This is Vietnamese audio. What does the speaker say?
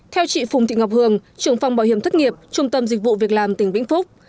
theo chị phùng thị ngọc hường trưởng phòng bảo hiểm thất nghiệp trung tâm dịch vụ việc làm tỉnh vĩnh phúc